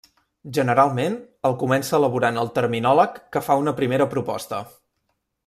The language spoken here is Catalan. Generalment, el comença elaborant el terminòleg que fa una primera proposta.